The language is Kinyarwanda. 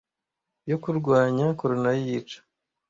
yo kurwanya corona yica